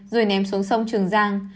rồi ném xuống sông trường giang